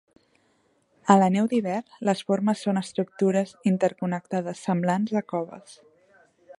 A la neu d'hivern, les formes són estructures interconnectades semblants a coves.